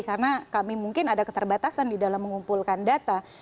karena kami mungkin ada keterbatasan di dalam mengumpulkan dats